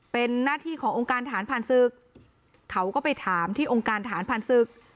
เป็นหน้าที่ขององค์การฐานผ่านศึกเขาก็ไปถามที่องค์การฐานผ่านศึก